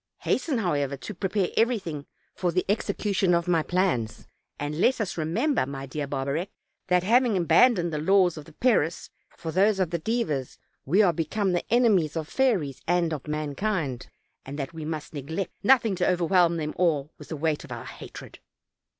Hasten, however, to prepare everything for the execution of my plans, and let us remember, my dear Barbarec, that, having abandoned the laws of the Peris for those of the Dives, we are become the enemies of fairies and of mankind, and that we must neglect nothing to overwhelm them all with the weight of our hatred."